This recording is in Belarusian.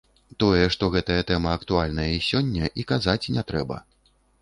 Тое, што гэтая тэма актуальная і сёння, і казаць не трэба.